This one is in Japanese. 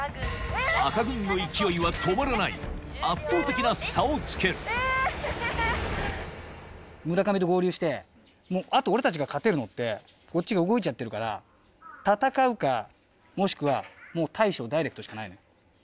赤軍の勢いは止まらない圧倒的な差をつける村上と合流してあと俺たちが勝てるのってこっちが動いちゃってるから戦うかもしくはもう大将ダイレクトしかないのよ。